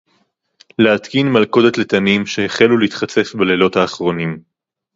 לְהַתְקִין מַלְכֹּדֶת לַתַּנִּים, שֶׁהֵחֵלּוּ לְהִתְחַצֵּף בַּלֵּילוֹת הָאַחֲרוֹנִים